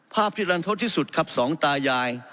ภาพที่รันทศที่สุดครับสองตายาย